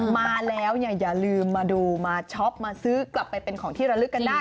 มาแล้วอย่าลืมมาดูมาช็อปมาซื้อกลับไปเป็นของที่ระลึกกันได้